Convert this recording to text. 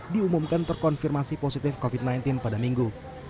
diumumkan terkonfirmasi positif covid sembilan belas pada minggu